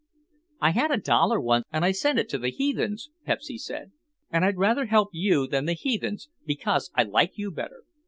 "I had a dollar once and I sent it to the heathens," Pepsy said, "and I'd rather help you than the heathens, because I like you better."